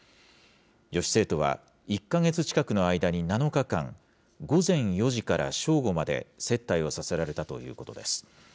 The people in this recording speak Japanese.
女子生徒は、１か月近くの間に７日間、午前４時から正午まで接待をさせられたということです。